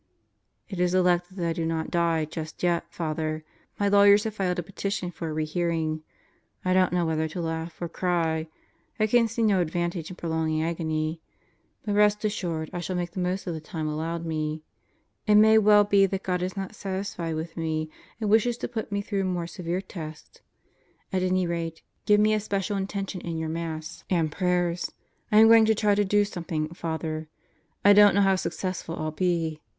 It is elected that I do not die just yet, Father. My lawyers have filed a petition for a rehearing. I don't know whether to laugh or cry. I can see no advantage in prolonging agony. But rest assured I shall make the most of the time allowed me. It may well be that God is not satisfied with me and wishes to put me through a more severe test. At any rate, give me a special intention in your Mass and 142 God Goes to Murderers Row prayers. I am going to try to do something, Father. I don't know how successful Fll be.